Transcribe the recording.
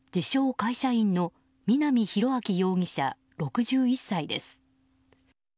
会社員の南浩明容疑者、６１歳です。